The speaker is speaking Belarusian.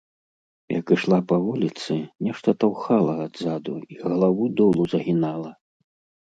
Як ішла па вуліцы, нешта таўхала адзаду і галаву долу загінала.